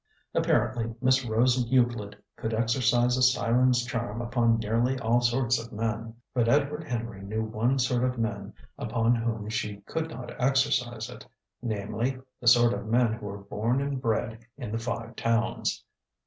Apparently Miss Rose Euclid could exercise a siren's charm upon nearly all sorts of men. But Edward Henry knew one sort of men upon whom she could not exercise it; namely, the sort of men who are born and bred in the Five Towns.